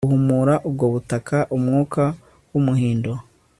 guhumura ubwo butaka, umwuka wumuhindo